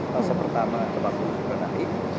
fase pertama kembang kembang naik